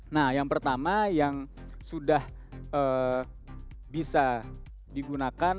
nah yang pertama yang sudah bisa digunakan